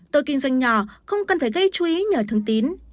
tôi kinh doanh nhỏ không cần phải gây chú ý nhờ thương tín